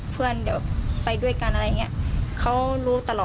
เพื่อนเดี๋ยวไปด้วยกันอะไรอย่างนี้เขารู้ตลอด